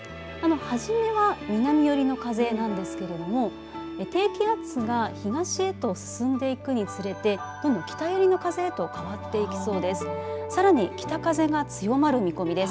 初めは南寄りの風なんですけれども低気圧が東へと進んでいくにつれて北寄りの風へと変わっていきそうです。